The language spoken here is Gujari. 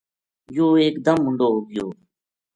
یوہ ایک دم مُندو ہو گیو